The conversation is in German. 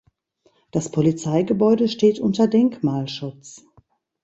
Das Polizeigebäude steht unter Denkmalschutz.